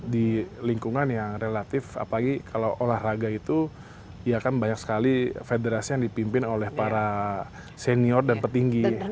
di lingkungan yang relatif apalagi kalau olahraga itu ya kan banyak sekali federasi yang dipimpin oleh para senior dan petinggi